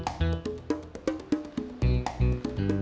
ya sekian tuh biasa banget